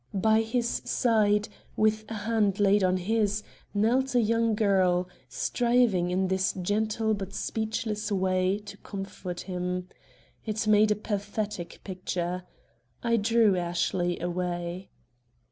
By his side, with hand laid on his, knelt a young girl, striving in this gentle but speechless way to comfort him. It made a pathetic picture. I drew Ashley away.